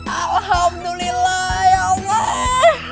alhamdulillah ya allah